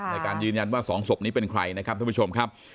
ในการยืนยันว่า๒ศพนี้เป็นใครนะครับท่านผู้ชมครับ